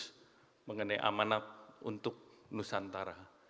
sebenarnya amanah untuk nusantara